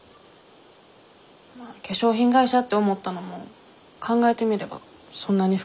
まあ化粧品会社って思ったのも考えてみればそんなに深い理由ないし。